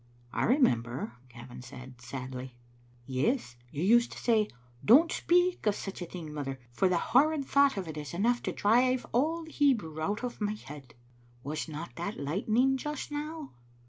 "I remember," Gavin said, sadly. "Yes; you used to say,* Don't speak of such a thing, mother, for the horrid thought of it is enough to drive all the Hebrew out of my head. ' Was not that light ning just now?"